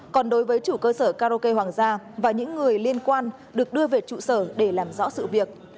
còn đối với chủ cơ sở karaoke hoàng gia và những người liên quan được đưa về trụ sở để làm rõ sự việc